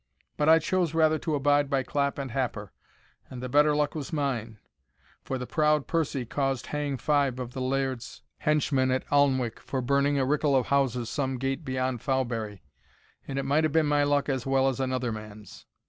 But I chose rather to abide by clap and happer, and the better luck was mine; for the proud Percy caused hang five of the Laird's henchmen at Alnwick for burning a rickle of houses some gate beyond Fowberry, and it might have been my luck as well as another man's."